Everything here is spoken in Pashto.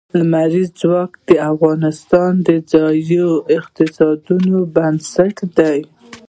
لمریز ځواک د افغانستان د ځایي اقتصادونو بنسټ دی.